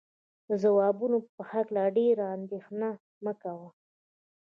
د ځوابونو په هکله ډېره اندېښنه مه کوئ.